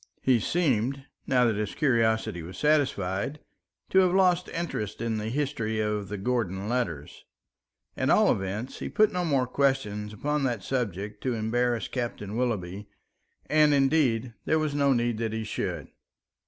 He seemed, now that his curiosity was satisfied, to have lost interest in the history of the Gordon letters. At all events, he put no more questions upon that subject to embarrass Captain Willoughby, and indeed there was no need that he should.